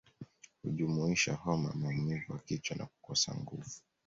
Hujumuisha homa maumivu ya kichwa na kukosa nguvu